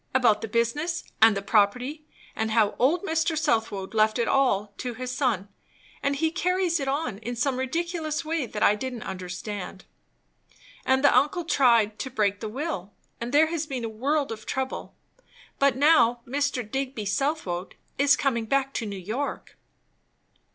About the business and the property, and how old Mr. Southwode left it all to this son; and he carries it on in some ridiculous way that I didn't understand; and the uncle tried to break the will, and there has been a world of trouble; but now Mr. Digby Southwode is coming back to New York."